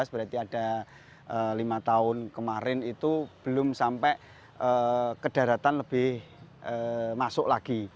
berarti ada lima tahun kemarin itu belum sampai ke daratan lebih masuk lagi